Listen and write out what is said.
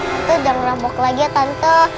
hantu jangan rambok lagi ya tante